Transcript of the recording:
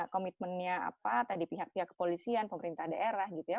komitmennya apa tadi pihak pihak kepolisian pemerintah daerah gitu ya